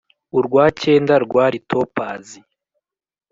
, urwa cyenda rwari topazi,